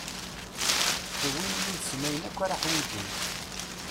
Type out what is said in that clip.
Iwin yid-sen ayen akk ara iḥwiǧen.